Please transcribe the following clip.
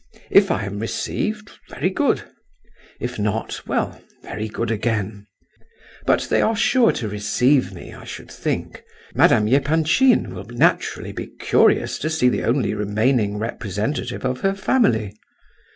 If I am received—very good; if not, well, very good again. But they are sure to receive me, I should think; Madame Epanchin will naturally be curious to see the only remaining representative of her family.